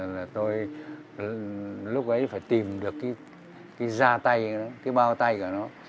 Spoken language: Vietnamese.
là tôi lúc ấy phải tìm được cái da tay của nó cái bao tay của nó